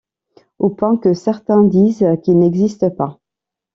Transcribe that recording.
Au point que certains disent qu'il n'existe pas.